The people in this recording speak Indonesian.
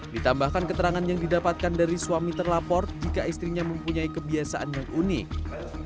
ditambahkan keterangan yang didapatkan dari suami terlapor jika istrinya mempunyai kebiasaan yang unik